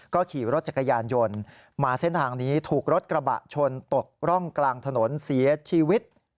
ก็ขี่รถจักรยานยนต์มาเส้นทางนี้ถูกรถกระบะชนตกร่องกลางถนนเสียชีวิต